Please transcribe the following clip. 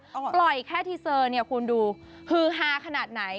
ปล่อยแค่ทีเซอร์เนี่ยคุณดูฮือฮาขนาดไหน